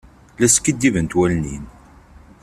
La skiddibent wallen-im.